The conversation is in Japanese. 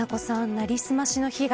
なりすましの被害